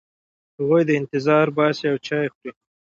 هغوی انتظار باسي او چای خوري.